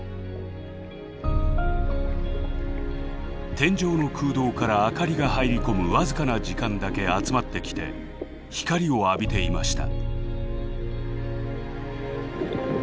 天井の空洞から明かりが入り込む僅かな時間だけ集まってきて光を浴びていました。